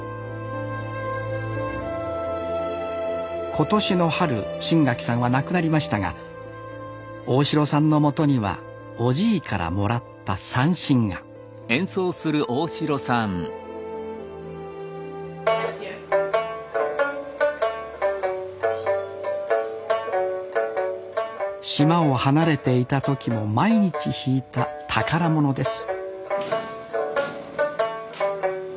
今年の春新垣さんは亡くなりましたが大城さんのもとにはおじいからもらった三線が島を離れていた時も毎日弾いた宝物です